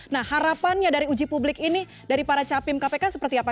nah harapannya dari uji publik ini dari para capim kpk seperti apa